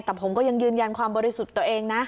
แต่ผมก็ยังยืนยันความบริสุทธิ์ตัวเองนะ